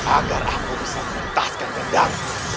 agar aku bisa melepaskan gendamu